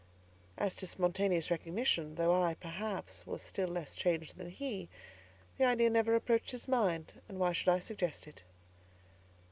As to spontaneous recognition—though I, perhaps, was still less changed than he—the idea never approached his mind, and why should I suggest it?